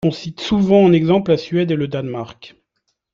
On cite souvent en exemple la Suède et le Danemark.